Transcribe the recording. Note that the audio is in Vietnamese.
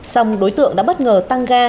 xong đối tượng đã bất ngờ tăng ga